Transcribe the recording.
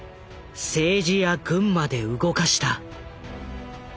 政治や軍まで動かした。